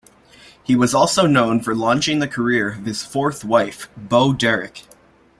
He was also known for launching the career of his fourth wife, Bo Derek.